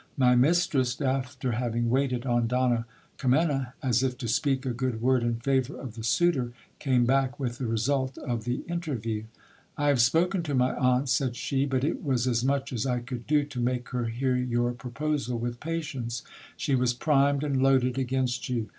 My mistress, after having waited on Donna Kimena, as if to speak a good word in favour of the suitor, came back with the result of the interview. I have spoken to my aunt, said she, but it was as much as I could do to make her hear your proposal with patience. She was primed and loaded against you.